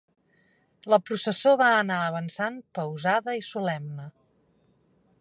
La processó va anar avançant, pausada i solemne.